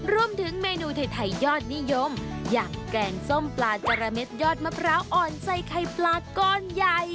รวมถึงเมนูไทยยอดนิยมอย่างแกงส้มปลาจาระเด็ดยอดมะพร้าวอ่อนใส่ไข่ปลาก้อนใหญ่